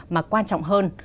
mà quan trọng hơn